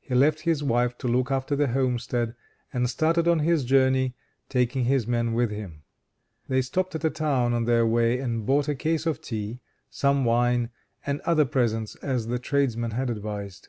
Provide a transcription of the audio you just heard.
He left his wife to look after the homestead, and started on his journey taking his man with him. They stopped at a town on their way, and bought a case of tea, some wine, and other presents, as the tradesman had advised.